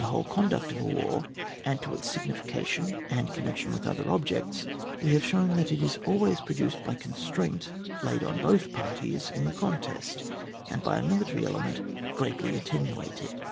whole conduct of a war, and to its signifi cation and connection with other objects, we have shown that it is always pro duced by constraint laid on both parties engaged in the contest, and by a military element greatly attenuated.